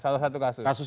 salah satu kasus